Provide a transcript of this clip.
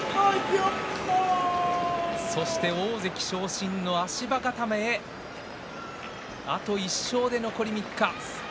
そして大関昇進の足場固めへあと１勝で残り３日。